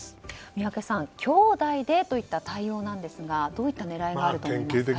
宮家さん兄妹でという対応ですがどういった狙いがあると思いますか。